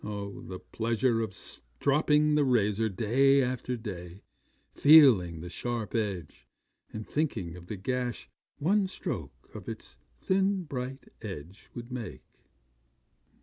Oh! the pleasure of stropping the razor day after day, feeling the sharp edge, and thinking of the gash one stroke of its thin, bright edge would make!